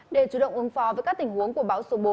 để chủ động ứng phó với các tình huống của bão số bốn